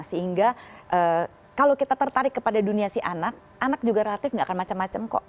sehingga kalau kita tertarik kepada dunia si anak anak juga relatif nggak akan macam macam kok